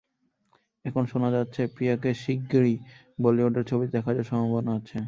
এখন শোনা যাচ্ছে, প্রিয়াকে শিগগিরই বলিউডের ছবিতে দেখা যাওয়ার সম্ভাবনা আছে।